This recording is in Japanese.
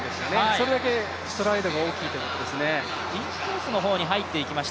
それだけストライドが大きいということですね。